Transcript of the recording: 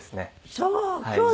そう！